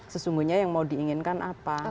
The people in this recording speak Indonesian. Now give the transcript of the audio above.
sesungguhnya yang mau diinginkan apa